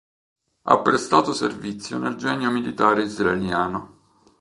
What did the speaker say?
Ha prestato servizio nel Genio militare israeliano.